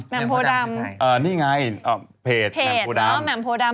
แหม่งโพดำคือใครนี่ไงเพจแหม่งโพดำ